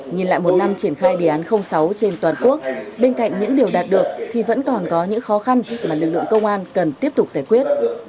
nhìn lại một năm triển khai đề án sáu trên toàn quốc bên cạnh những điều đạt được thì vẫn còn có những khó khăn mà lực lượng công an cần tiếp tục giải quyết